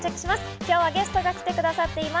今日はゲストが来てくださっています。